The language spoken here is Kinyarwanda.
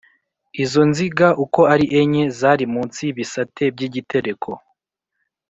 Izo nziga uko ari enye zari munsi y’ibisate by’igitereko